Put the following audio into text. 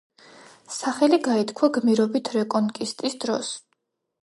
სახელი გაითქვა გმირობით რეკონკისტის დროს.